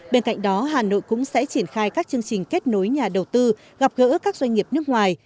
bên cạnh đó hà nội cũng sẽ triển khai các chương trình kết nối nhà đầu tư gặp gỡ các doanh nghiệp nước ngoài